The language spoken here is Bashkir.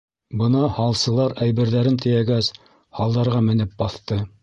Бына һалсылар, әйберҙәрен тейәгәс, һалдарға менеп баҫты.